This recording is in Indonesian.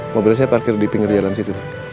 mobil saya parkir di pinggir jalan situ